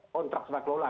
kontrak setelah kelola